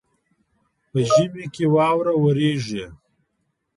په ژمي کي واوره وريږي.